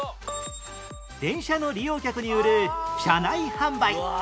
電車の利用客に売る車内販売